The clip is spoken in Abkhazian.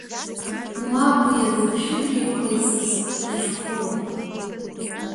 Мап, уи агыгшәыгра иҟаиҵаз, дахьхәыроуп…